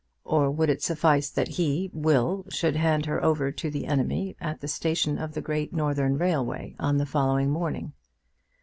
Or would it suffice that he, Will, should hand her over to the enemy at the station of the Great Northern Railway on the following morning?